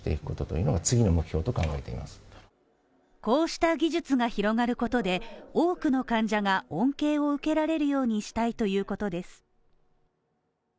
こうした技術が広がることで、多くの患者が恩恵を受けられるようにしたいということです。